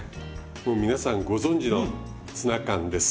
もう皆さんご存知のツナ缶です。